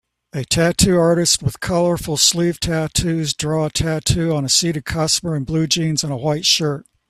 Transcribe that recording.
A tattoo artist with colorful sleeve tattoos draw a tattoo on a seated customer in blue jeans and a white shirt